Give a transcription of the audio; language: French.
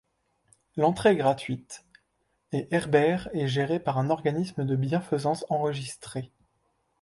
L'entrée est gratuite et Herbert est géré par un organisme de bienfaisance enregistré.